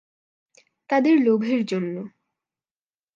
তাদের লোভের জন্য।